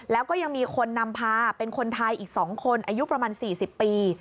แล้วก็ยังมีคนนำพาเป็นคนไทยอีก๒คนอายุประมาณ๔๐ปี